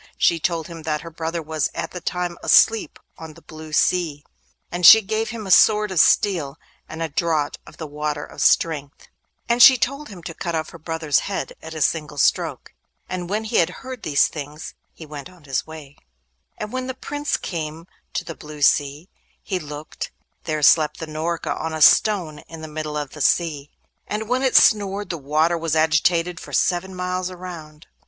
She told him that her brother was at that time asleep on the blue sea, and she gave him a sword of steel and a draught of the Water of Strength, and she told him to cut off her brother's head at a single stroke. And when he had heard these things, he went his way. And when the Prince came to the blue sea, he looked—there slept the Norka on a stone in the middle of the sea; and when it snored, the water was agitated for seven miles around.